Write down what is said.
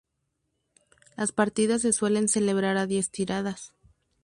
Las partidas se suelen celebrar a diez tiradas.